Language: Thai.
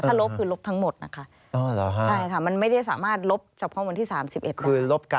ถ้าลบคือลบทั้งหมดนะคะ